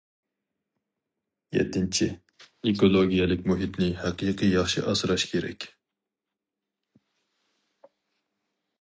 يەتتىنچى، ئېكولوگىيەلىك مۇھىتنى ھەقىقىي ياخشى ئاسراش كېرەك.